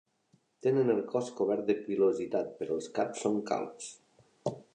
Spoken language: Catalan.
Tenen el cos cobert de pilositat però els caps són calbs.